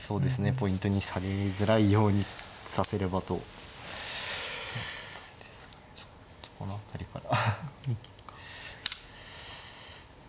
ポイントにされづらいように指せればと思ったんですがちょっとこの辺りから。